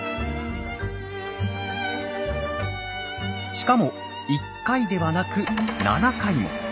しかも１回ではなく７回も。